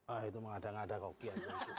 ah itu mengadang adang rocky ya